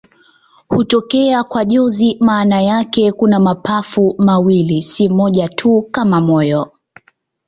Hutokea kwa jozi maana yake kuna mapafu mawili, si moja tu kama moyo.